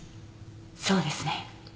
そうですね。